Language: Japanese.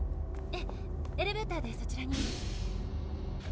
ええエレベーターでそちらに。